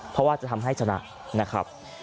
เพราะว่าจะทำให้ชนะนะครับ